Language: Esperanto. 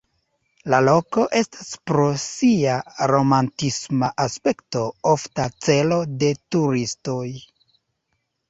La loko estas pro sia romantisma aspekto ofta celo de turistoj.